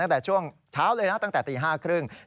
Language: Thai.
ตั้งแต่ช่วงเช้าเลยนะตั้งแต่ตี๕๓๐